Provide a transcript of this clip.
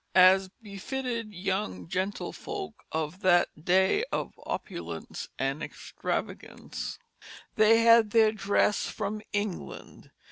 As befitted young gentlefolk of that day of opulence and extravagance, they had their dress from England.